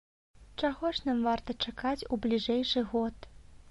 Чаго ж нам варта чакаць у бліжэйшы год?